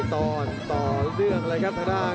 พยาบกระแทกมัดเย็บซ้าย